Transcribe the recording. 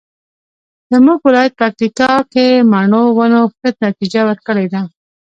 زمونږ ولایت پکتیکا کې مڼو ونو ښه نتیجه ورکړې ده